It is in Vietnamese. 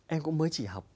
em cũng mới chỉ học bài học